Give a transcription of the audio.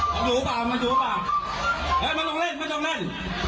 เขาหรูปากเขาหรูปากแม่มันต้องเล่นมันจงเล่น